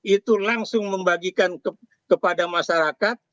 itu langsung membagikan kepada masyarakat